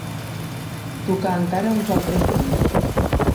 Tocà encara uns altres punts.